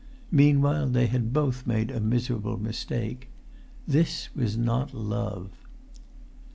Meanwhile they had both made a miserable mistake. This was not love.